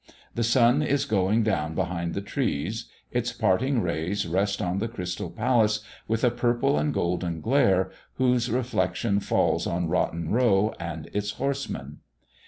The sun is going down behind the trees; its parting rays rest on the Crystal Palace with a purple and golden glare, whose reflection falls on Rotten row and its horsemen.